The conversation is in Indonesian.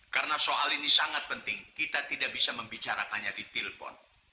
karena soal ini sangat penting kita tidak bisa membicarakannya di telepon